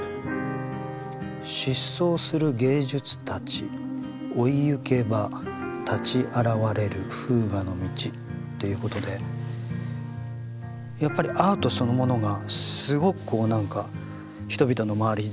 「疾走する芸術たち追いゆけば立ち現われる風雅の道」っていうことでやっぱりアートそのものがすごくこうなんか人々の周り